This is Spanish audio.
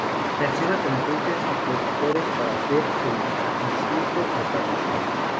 Reacciona con agentes reductores para hacer bismuto metálico.